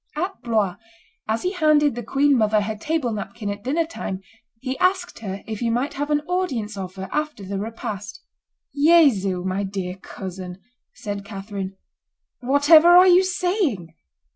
At Blois, as he handed the queen mother her table napkin at dinner time, he asked her if he might have an audience of her after the repast. "Jesu! my dear cousin," said Catherine, "whatever are you saying?"